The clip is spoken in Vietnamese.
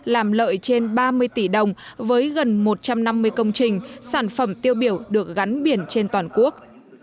làm lợi trên ba mươi tỷ đồng với gần một trăm năm mươi công trình sản phẩm tiêu biểu được gắn biển trên toàn quốc